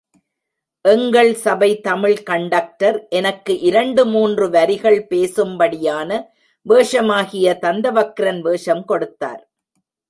எங்கள் சபை தமிழ் கண்டக்டர் எனக்கு இரண்டு மூன்று வரிகள் பேசும்படியான வேஷமாகிய தந்தவக்கிரன் வேஷம் கொடுத்தார்!